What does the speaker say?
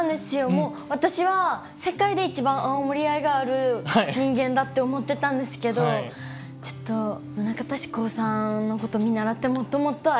もう私は世界で一番青森愛がある人間だって思ってたんですけどちょっと棟方志功さんのこと見習ってもっともっと愛さないとなと思いました。